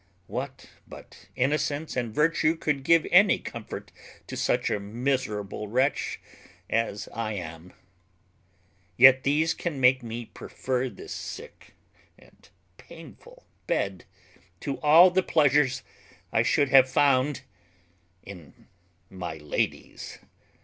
What but innocence and virtue could give any comfort to such a miserable wretch as I am? Yet these can make me prefer this sick and painful bed to all the pleasures I should have found in my lady's.